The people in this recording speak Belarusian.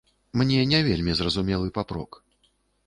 Мне не вельмі зразумелы папрок.